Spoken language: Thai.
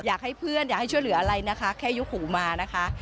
อยากให้เพื่อนอยากให้ช่วยเหลืออะไรนะคะแค่ยกหูมานะคะ